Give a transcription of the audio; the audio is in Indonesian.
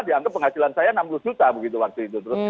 dianggap penghasilan saya enam puluh juta begitu waktu itu